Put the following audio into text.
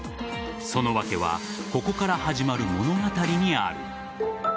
その訳はここから始まる物語にある。